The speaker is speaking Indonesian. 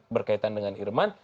berkaitan dengan irman